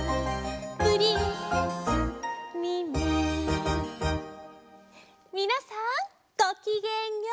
「プリンセスミミィ」みなさんごきげんよう！